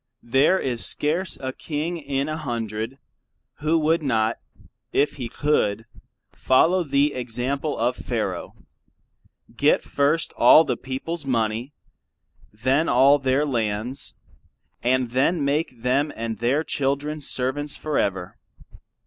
There is scarce a king in a hundred who would not, if he could, follow the example of Pharoah, get first all the peoples money, then all their lands, and then make them and their children servants for ever.